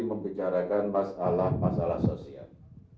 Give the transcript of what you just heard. membicarakan masalah masalah sosial